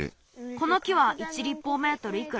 この木は１りっぽうメートルいくら？